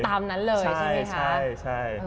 ตามนั้นเลยใช่ไหมคะ